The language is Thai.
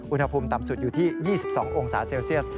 อุณหภูมิต่ำสุดอยู่ที่๒๒องศาเซลเซียส